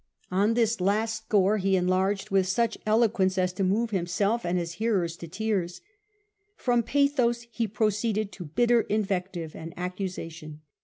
On this last score he en larged with such eloquence as to move himself and his hearers to tears. From pathos he proceeded to bitter invective and accusation.